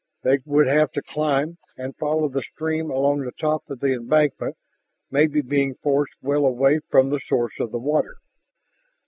They would have to climb and follow the stream along the top of the embankment, maybe being forced well away from the source of the water.